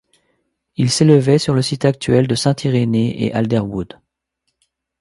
Il s'élevait sur le site actuel de Saint-Irénée-et-Alderwood.